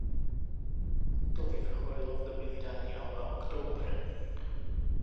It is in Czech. To vyvrcholilo v době vydání alba October.